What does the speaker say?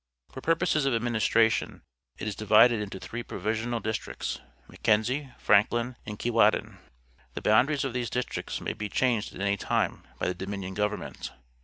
For purposes of administration it is divided into three provisional districts — Mackenzie, Franklin, and Keewatin. The boundaries of these districts may be changed at any time by the Dominion Government.